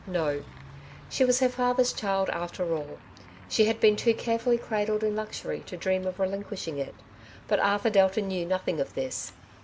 — no. She was her father^s child, after all. She had been too carefully cradled in luxury to dream of relinquishing it ; but Arthur Delta knew nothing of this.